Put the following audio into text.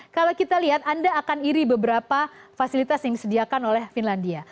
kalau kita lihat anda akan iri beberapa fasilitas yang disediakan oleh finlandia